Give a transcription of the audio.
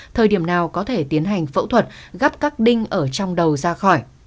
thời điểm nào có thể tiến hành phẫu thuật gắp các đinh ở trong đầu ra khỏi